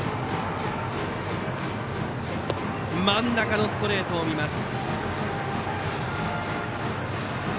真ん中のストレートを見ます。